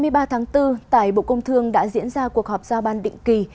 ngày hai mươi ba tháng bốn tại bộ công thương đã diễn ra cuộc họp giao ban định kỳ